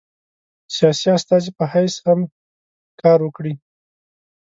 سیاسي استازي په حیث هم کار وکړي.